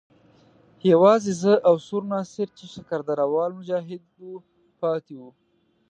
یوازې زه او سور ناصر چې شکر درده وال مجاهد وو پاتې وو.